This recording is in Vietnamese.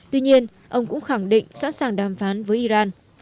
tuy nhiên ông cũng khẳng định sẵn sàng đàm phán với iran